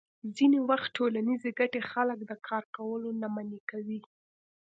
ځینې وخت ټولنیزې ګټې خلک د کار کولو نه منع کوي.